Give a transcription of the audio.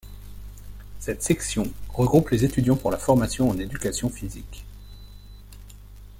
Cette section regroupe les étudiants pour la formation en éducation physique.